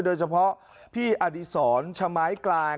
โดยเฉพาะพี่อดีศรชม้ายกลาง